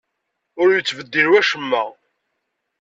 Ur yettbeddil wacemma.